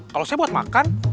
kalau saya buat makan